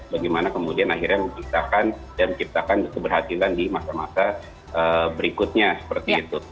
bagaimana kemudian akhirnya menciptakan dan menciptakan keberhasilan di masa masa berikutnya seperti itu